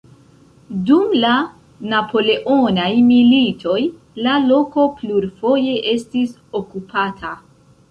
Dum la Napoleonaj Militoj la loko plurfoje estis okupata.